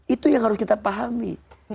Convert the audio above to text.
itu yang harus kita pahami